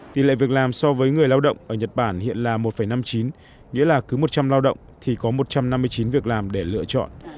tỷ lệ việc làm so với người lao động ở nhật bản hiện là một năm mươi chín nghĩa là cứ một trăm linh lao động thì có một trăm năm mươi chín việc làm để lựa chọn